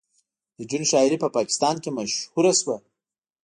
د جون شاعري په پاکستان کې مشهوره شوه